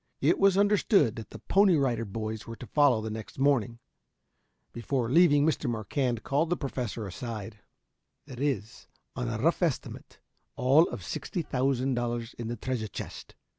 It was understood that the Pony Rider Boys were to follow the next morning. Before leaving, Mr. Marquand called the Professor aside. "There is, on a rough estimate, all of sixty thousand dollars in the treasure chest.